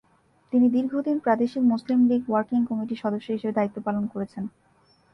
তিনি দীর্ঘদিন প্রাদেশিক মুসলিম লীগ ওয়ার্কিং কমিটির সদস্য হিসেবে দায়িত্বপালন করেছেন।